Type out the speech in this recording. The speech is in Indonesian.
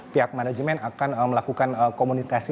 pihak manajemen akan melakukan komunikasi